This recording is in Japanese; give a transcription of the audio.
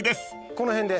この辺で。